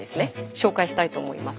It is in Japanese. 紹介したいと思います。